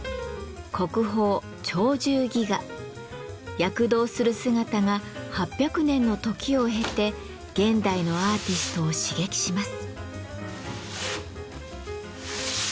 躍動する姿が８００年の時を経て現代のアーティストを刺激します。